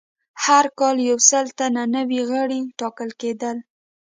هر کال یو سل تنه نوي غړي ټاکل کېدل